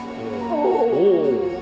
お。